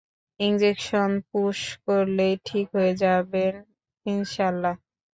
Injection push করলেই ঠিক হয়ে যাবেন ইনশাআল্লাহ।